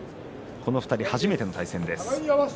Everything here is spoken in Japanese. この２人、初めての対戦です。